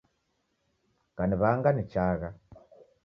Kaniw'anga nichagha